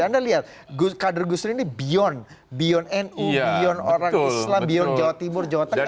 anda lihat kader gus dur ini beyond beyond nu beyond orang islam beyond jawa timur jawa tengah